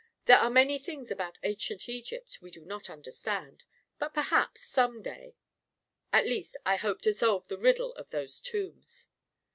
There are many things about ancient Egypt we do not understand — but perhaps, some day — At least, I hope to solve the riddle of those tombs."